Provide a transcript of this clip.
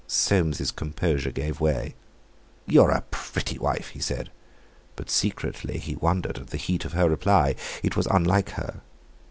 Soames's composure gave way. "You're a pretty wife!" he said. But secretly he wondered at the heat of her reply; it was unlike her.